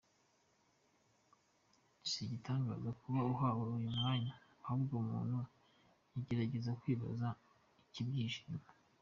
Si igitangaza kuba ahawe uyu mwanya ahubwo umuntu yagerageza kwibaza ikibyihishe inyuma.